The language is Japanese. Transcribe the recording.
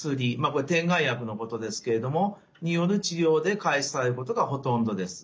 これ点眼薬のことですけれどもによる治療で開始されることがほとんどです。